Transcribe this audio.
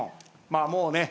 まあもうね